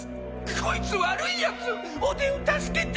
こいつ悪いヤツおでを助けて！